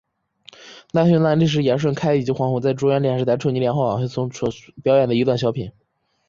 难兄难弟是严顺开以及黄宏在中央电视台春节联欢晚会中所表演的一段小品。